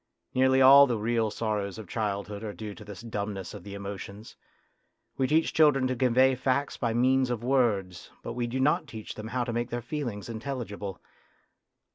Nearly all the real sorrows of childhood are due to this dumbness of the emotions ; we teach children to convey facts by means of words, but we do not teach them how to make their feelings in telligible.